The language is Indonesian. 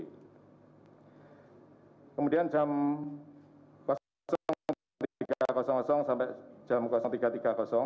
kemudian jam tiga sampai jam tiga tiga puluh